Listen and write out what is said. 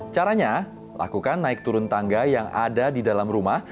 caranya lakukan naik turun tangga yang ada di dalam rumah